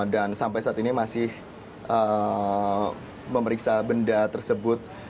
dan sampai saat ini masih memeriksa benda tersebut